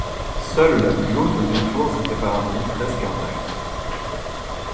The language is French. Seule la plus haute des tours est épargnée, presque intacte.